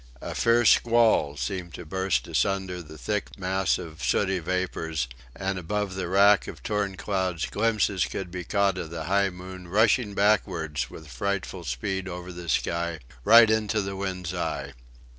A fierce squall seemed to burst asunder the thick mass of sooty vapours; and above the wrack of torn clouds glimpses could be caught of the high moon rushing backwards with frightful speed over the sky, right into the wind's eye.